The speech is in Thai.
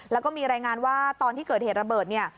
แล้วก็มีรายงานว่าตอนที่เกิดเหตุระเบิดเนี่ย